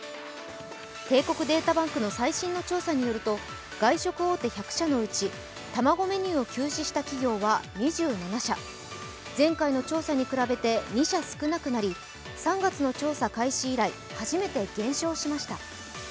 帝国データバンクの最新の調査によると、外食大手１００社のうち卵メニューを休止した企業は２７社、前回の調査に比べて２社少なくなり３月の調査開始以来、初めて、減少しました。